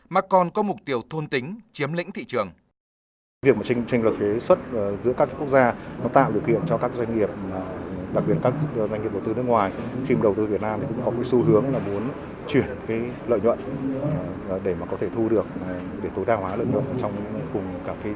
mà còn có mục tiêu thôn tính chiếm lĩnh thị trường